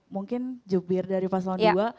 mungkin jubir dari paslon dua